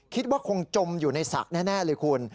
คิดว่าคงจมอยู่ในสระแน่เลยคุณ